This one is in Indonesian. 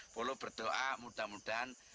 polo berdoa mudah mudahan